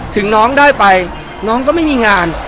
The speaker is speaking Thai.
ถึงน้องได้ไปน้องก็ไม่มีงาน